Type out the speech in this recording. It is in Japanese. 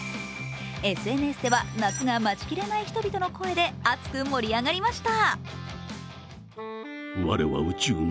ＳＮＳでは、夏が待ちきれない人々の声で熱く盛り上がりました。